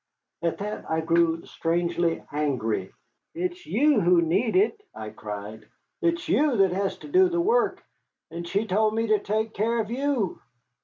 At that I grew strangely angry. "It's you who need it," I cried, "it's you that has to do the work. And she told me to take care of you."